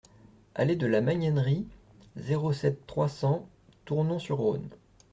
Allée de la Magnanerie, zéro sept, trois cents Tournon-sur-Rhône